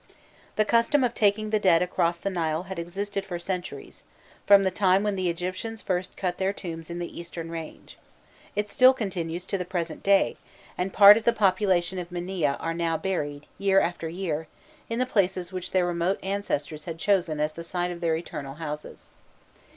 The custom of taking the dead across the Nile had existed for centuries, from the time when the Egyptians first cut their tombs in the eastern range; it still continues to the present day, and part of the population of Minieh are now buried, year after year, in the places which their remote ancestors had chosen as the site of their "eternal houses."